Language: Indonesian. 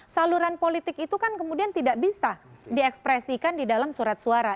saluran politik itu kan kemudian tidak bisa diekspresikan di dalam surat suara